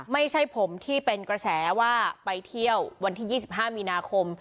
ไม่ใช่ผมที่เป็นกระแสว่าไปเที่ยววันที่๒๕มีนาคม